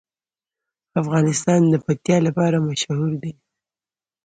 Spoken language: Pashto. افغانستان د پکتیا لپاره مشهور دی.